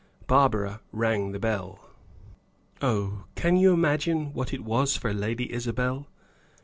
Barbara rang the bell. Oh! Can you imagine what it was for Lady Isabel?